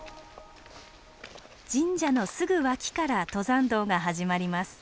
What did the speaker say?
神社のすぐ脇から登山道が始まります。